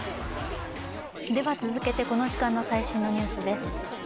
では続けてこの時間の最新のニュースです。